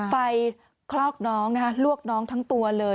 คลอกน้องนะคะลวกน้องทั้งตัวเลย